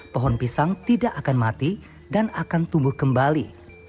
pohon pisang tidak akan mati dan akan tumbuh kembali